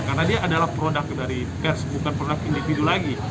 karena dia adalah produk dari pers bukan produk individu lagi